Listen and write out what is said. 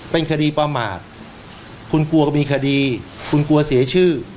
เป็นคดีประมาทคุณกลัวก็มีคดีคุณกลัวเสียชื่อ